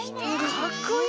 かっこいい！